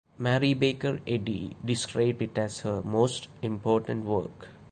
Mary Baker Eddy described it as her most important work.